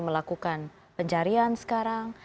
melakukan pencarian sekarang